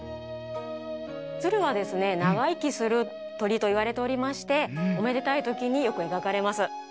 つるはですねながいきするとりといわれておりましておめでたいときによくえがかれます。